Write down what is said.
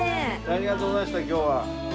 ありがとうございました今日は。